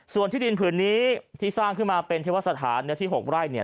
ส่วนที่ดินผืนนี้ที่สร้างขึ้นมาเป็นเทวสถานเนื้อที่๖ไร่เนี่ย